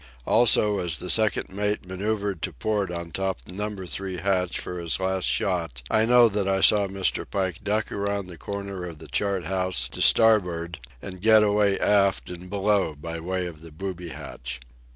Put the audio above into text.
Also, as the second mate manoeuvred to port on top of Number Three hatch for his last shot, I know that I saw Mr. Pike duck around the corner of the chart house to starboard and get away aft and below by way of the booby hatch.